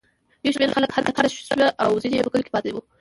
یو شمېر خلک هلته کډه شوي او ځینې په کلیو کې پاتې وو.